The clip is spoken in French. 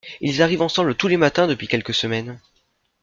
Ils arrivent ensemble tous les matins depuis quelques semaines.